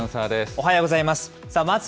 おはようございます。